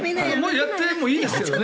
やってもいいですけどね。